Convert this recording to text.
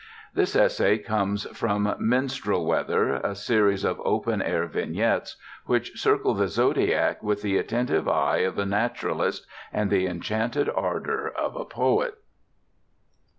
This essay comes from Minstrel Weather, a series of open air vignettes which circle the zodiac with the attentive eye of a naturalist and the enchanted ardor of a poet.